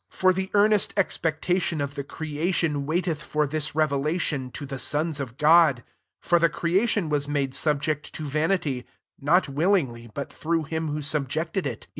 19 For the earnest expecta tion of the creation waiteth for this revelation to the sons of God. QO For the creation was made subject to vanity, (not wil lingly, but through^ him who subjected iV